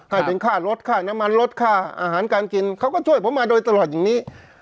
ให้เป็นค่ารถค่าน้ำมันลดค่าอาหารการกินเขาก็ช่วยผมมาโดยตลอดอย่างนี้